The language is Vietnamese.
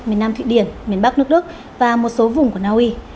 miền nam thụy điển miền bắc nước đức và một số vùng của naui